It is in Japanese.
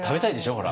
ほら！